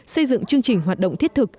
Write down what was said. xây dựng chương trình hoạt động thiết thực